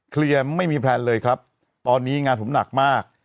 ไม่มีแพลนเลยครับตอนนี้งานผมหนักมาก